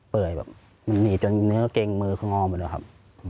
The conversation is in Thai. เปลื่อยแบบมันหนีจนเนื้อเกร็งมือเขางอหมดเลยครับ